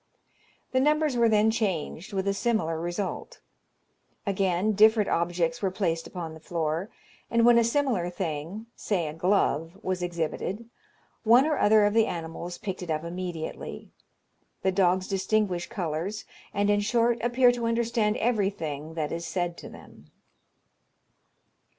The numbers were then changed, with a similar result. Again, different objects were placed upon the floor, and when a similar thing say a glove was exhibited, one or other of the animals picked it up immediately. The dogs distinguish colours, and, in short, appear to understand everything that is said to them.